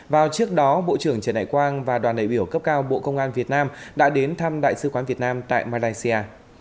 vào trước đó bộ trưởng trần đại quang và đoàn đại biểu cấp cao bộ công an việt nam đã đến thăm đại sứ quán việt nam tại malaysia